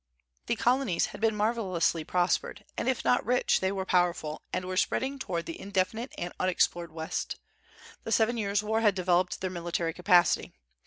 The Colonies had been marvellously prospered, and if not rich they were powerful, and were spreading toward the indefinite and unexplored West. The Seven Years' War had developed their military capacity.